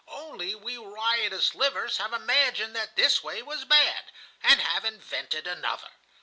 "Only we riotous livers have imagined that this way was bad, and have invented another.